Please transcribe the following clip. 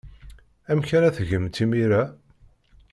Amek ara tgemt imir-a?